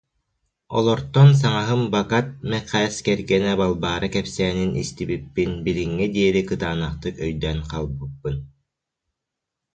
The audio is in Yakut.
Олортон саҥаһым, Бакат Мэхээс кэргэнэ Балбаара кэпсээнин истибиппин, билиҥҥэ диэри кытаанахтык өйдөөн хаалбыппын